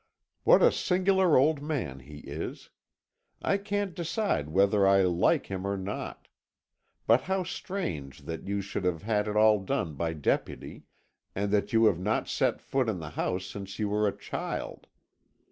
What a singular old man he is. I can't decide whether I like him or not. But how strange that you should have had it all done by deputy, and that you have not set foot in the house since you were a child.